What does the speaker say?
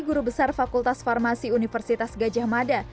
guru besar fakultas farmasi universitas gajah mada